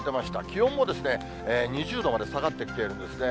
気温も２０度まで下がってきているんですね。